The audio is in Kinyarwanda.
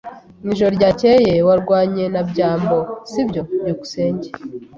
Mwijoro ryakeye warwanye na byambo, sibyo? byukusenge